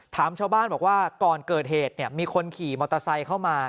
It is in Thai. ถามชาวบ้านบอกว่าก่อนเกิดเหตุมีคนขี่มอเตอร์ไซค์เข้ามา